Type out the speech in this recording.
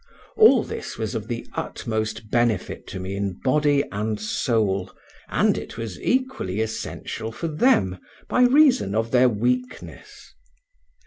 All this was of the utmost benefit to me in body and soul, and it was equally essential for them by reason of their weakness.